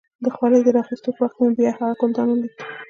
د خولۍ د را اخيستو په وخت کې مې بیا هغه ګلدان ولید.